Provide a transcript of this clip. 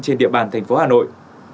trên địa bàn thành phố hà nội